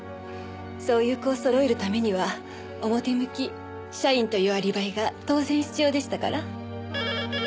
そういう子をそろえるためには表向き社員というアリバイが当然必要でしたから。